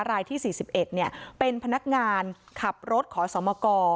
รายที่สี่สิบเอ็ดเนี้ยเป็นพนักงานขับรถขอสอบมอกอ